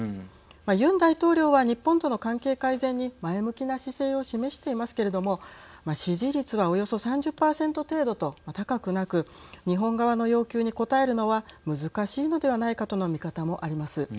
ユン大統領は日本との関係改善に前向きな姿勢を示していますけれども支持率はおよそ３０％程度と高くなく日本側の要求に応えるのは難しいのではないのかとの見方もあります。